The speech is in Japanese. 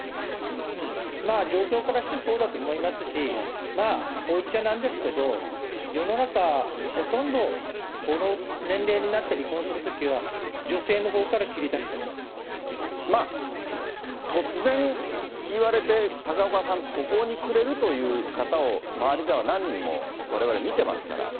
まあ状況からしてそうだと思いますし、まあ、こう言っちゃなんですけれども、世の中、ほとんど、この年齢になって離婚するときは、まあ、突然言われて、高岡さん、途方に暮れるという方を周りでは何人もわれわれ見ていますから。